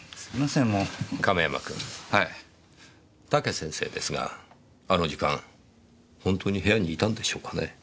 亀山君武先生ですがあの時間ほんとに部屋にいたんでしょうかね？